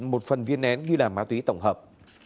một phần viên nén nghi là ma túy tổng hợp